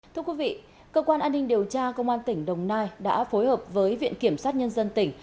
thưa quý vị cơ quan an ninh điều tra công an tỉnh đồng nai đã phối hợp với viện kiểm sát nhân dân tỉnh